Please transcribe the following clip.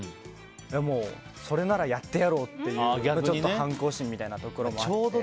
もう、それならやってやろう！っていう反抗心みたいなところもあって。